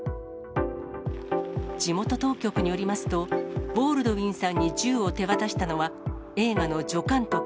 地元当局によりますと、ボールドウィンさんに銃を手渡したのは、映画の助監督。